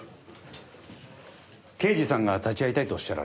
刑事さんが立ち会いたいと仰られて。